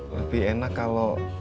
lebih enak kalau